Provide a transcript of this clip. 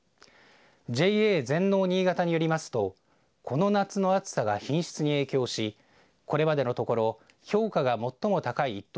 ＪＡ全農にいがたによりますとこの夏の暑さが品質に影響しこれまでのところ評価が最も高い１等